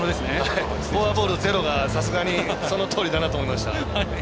フォアボール、ゼロがさすがに、そのとおりだなと思いました。